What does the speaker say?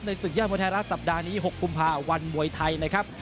ศึกยอดมวยไทยรัฐสัปดาห์นี้๖กุมภาวันมวยไทยนะครับ